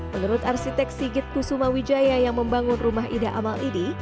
menurut arsitek sigit kusuma wijaya yang membangun rumah ida amal ini